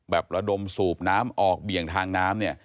แบบเราดมสูบน้ำออกเบี่ยงทางน้ำ